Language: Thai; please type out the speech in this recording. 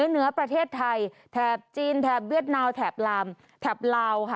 เหนือประเทศไทยแถบจีนแถบเวียดนามแถบลามแถบลาวค่ะ